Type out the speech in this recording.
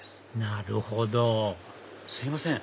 なるほどすいません。